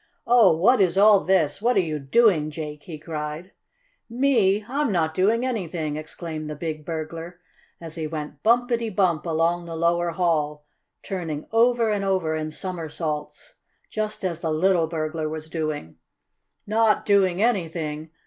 "Oh, what is all this? What are you doing, Jake?" he cried. "Me? I'm not doing anything!" exclaimed the big burglar, as he went bumpity bump along the lower hall, turning over and over in somersaults, just as the little burglar was doing. "Not doing anything?